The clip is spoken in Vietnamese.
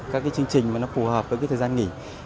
các cái chương trình mà nó phù hợp với cái thời gian nghỉ